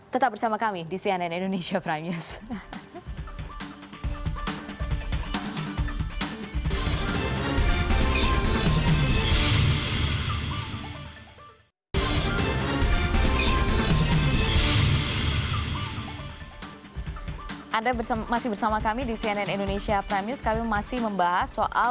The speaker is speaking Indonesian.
tetap bersama kami di cnn indonesia prime news